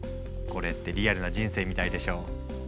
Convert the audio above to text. これってリアルな人生みたいでしょ？